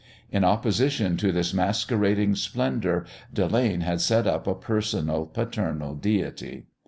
In opposition to this masquerading splendour Delane had set up a personal, paternal Deity.